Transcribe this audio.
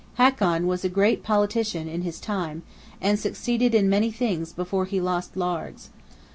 Hakon was a great Politician in his time; and succeeded in many things before he lost Largs.